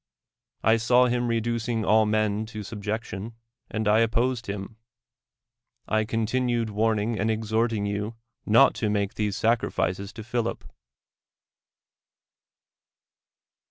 I saw him re ducing all men to subjection, and I opposed him; I continued warning and exhorting you not to make these sacrifices to l^'hilip.